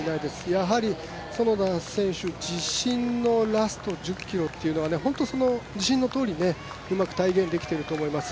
やはり園田選手、自信のラスト１０ｋｍというのは、その自信のとおり、うまく体現できていると思います。